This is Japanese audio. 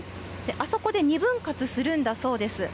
あそこで２分割するんだそうです。